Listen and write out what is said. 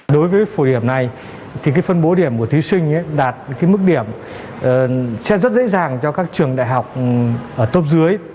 đối với phổ điểm này thì cái phân bố điểm của thí sinh đạt cái mức điểm sẽ rất dễ dàng cho các trường đại học tốt dưới